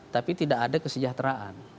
tapi tidak ada kesejahteraan